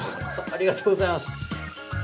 ありがとうございます。